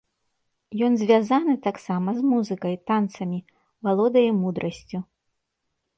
Ён звязаны таксама з музыкай, танцамі, валодае мудрасцю.